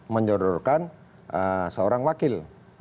menjodohkan seorang wakil